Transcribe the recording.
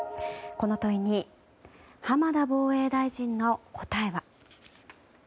この問いに浜田防衛大臣の答えは。